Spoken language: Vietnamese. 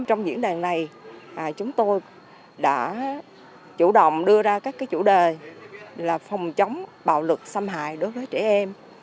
trong diễn đàn này chúng tôi đã chủ động đưa ra các chủ đề là phòng chống bạo lực xâm hại đối với trẻ em